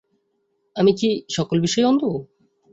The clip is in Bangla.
আমি কি সকল বিষয়েই অন্ধ!